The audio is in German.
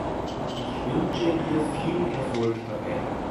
Ich wünsche ihr viel Erfolg dabei.